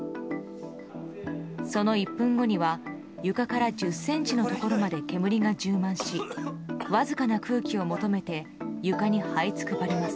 その１分後には床から１０ｃｍのところまで煙が充満しわずかな空気を求めて床にはいつくばります。